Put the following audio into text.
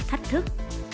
nhiều thách thức